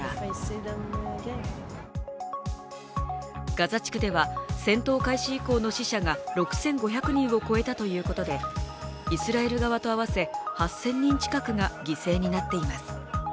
ガザ地区では戦闘開始以降の死者が６５００人を超えたということで、イスラエル側と合わせ８０００人近くが犠牲になっています。